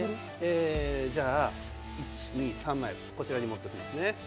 じゃあ、３枚こちらに持ってきます。